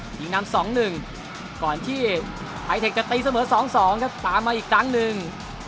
ยิงนำ๒๑ก่อนที่ไฮเทคจะตีเสมอ๒๒ครับตามมาอีกครั้งหนึ่ง